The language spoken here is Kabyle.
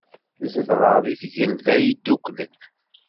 Zedɣeɣ deg Tgelda Yedduklen.